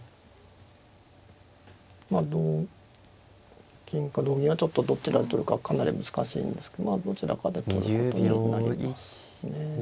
まあ同金か同銀はちょっとどちらで取るかはかなり難しいんですけどまあどちらかで取ることになりますね。